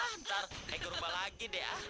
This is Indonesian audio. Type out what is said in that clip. ntar eh gue rumba lagi deh ah